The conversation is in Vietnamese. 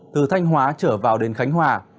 từ thanh hóa trở vào đến khánh hòa